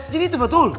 jadi itu betul